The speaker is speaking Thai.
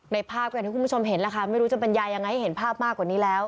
ภาพก็อย่างที่คุณผู้ชมเห็นแล้วค่ะไม่รู้จะบรรยายยังไงให้เห็นภาพมากกว่านี้แล้ว